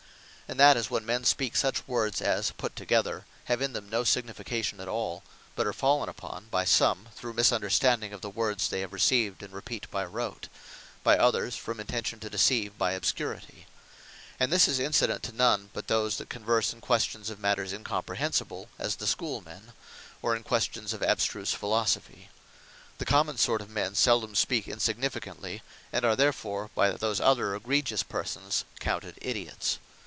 And that is, when men speak such words, as put together, have in them no signification at all; but are fallen upon by some, through misunderstanding of the words they have received, and repeat by rote; by others, from intention to deceive by obscurity. And this is incident to none but those, that converse in questions of matters incomprehensible, as the Schoole men; or in questions of abstruse Philosophy. The common sort of men seldome speak Insignificantly, and are therefore, by those other Egregious persons counted Idiots.